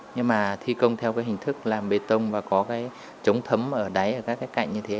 nhưng mà thi công theo cái hình thức làm bê tông và có cái chống thấm ở đáy ở các cái cạnh như thế